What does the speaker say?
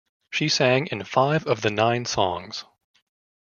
She sang in five of the nine songs.